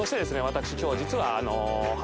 私今日実は。